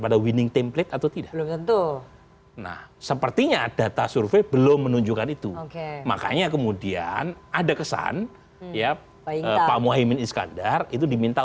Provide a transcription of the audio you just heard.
data survei belum menunjukkan itu makanya kemudian ada kesan ya pak mohaiman iskandar itu diminta